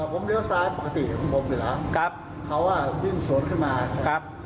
แต่เหลือชายปกติของผมเนี้ยแหละก็เขาว่าขึ้นมา